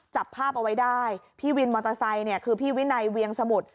จับภาพเอาไว้ได้พี่วินมอเตอร์ไซค์เนี่ยคือพี่วินัยเวียงสมุทร